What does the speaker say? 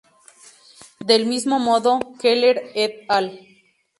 Del mismo modo, Keeler et al.